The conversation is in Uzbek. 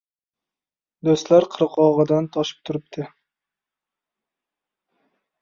Do‘stlar, qirg‘og‘idan toshib turibdi